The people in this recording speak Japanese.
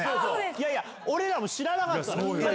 いやいや、俺らも知らなかったのよ。